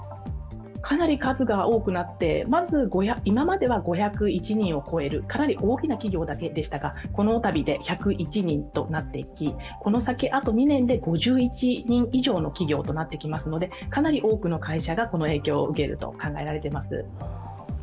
かなり数が多くなって、まず今までは５０１人を超える、かなり大きな企業でしたがこのたびで１０１人となっていき、ここの先、あと２年で、５１人以上の企業となってきますのでかなり多くの会社がその影響を受けると考えられています。